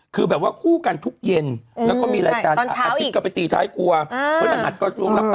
คือแบบว่าคู่กันทุกเย็นแล้วก็มีรายการอาทิตย์กลับไปตีช้าให้กลัว